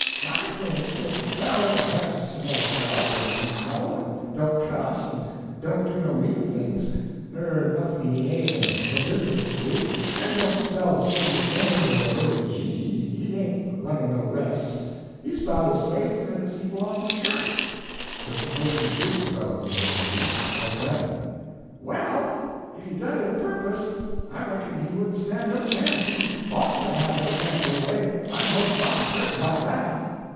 I think 't if a feller he'ps another feller when he's in trouble, and don't cuss, and don't do no mean things, nur noth'n' he ain' no business to do, and don't spell the Saviour's name with a little g, he ain't runnin' no resks he's about as saift as he b'longed to a church." "But suppose he did spell it with a little g what then?" "Well, if he done it a purpose, I reckon he wouldn't stand no chance he OUGHTN'T to have no chance, anyway, I'm most rotten certain 'bout that."